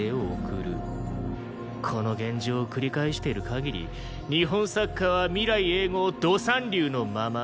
この現状を繰り返している限り日本サッカーは未来永劫ド三流のまま。